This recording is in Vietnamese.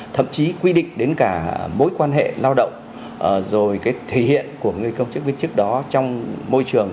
thậm chí quy định đến cả mối quan hệ lao động rồi cái thể hiện của người công chức viên chức đó trong môi trường